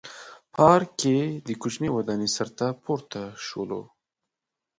پارک کې د کوچنۍ ودانۍ سر ته پورته شولو.